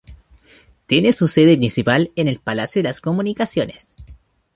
Tiene su sede principal en el Palacio de Comunicaciones.